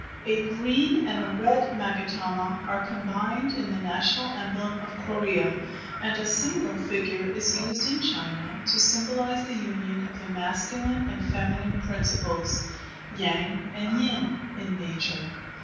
A green and a red magatama are combined in the national emblem of Korea and a similar figure is used in China to symbolize the union of the masculine and feminine principles (Yang and Yin) in nature.